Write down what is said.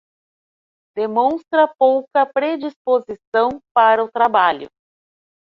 Demonstra pouca predisposição para o trabalho.